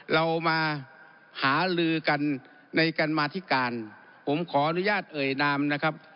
เรามาหาลือกันในการมาธิการผมขออนุญาตเอ่ยนามนะครับ